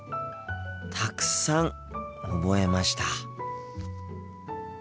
たくさん覚えました。